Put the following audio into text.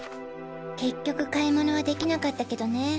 結局買い物はできなかったけどね。